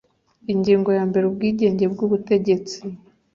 Ingingo ya mbere Ubwigenge bw Ubutegetsi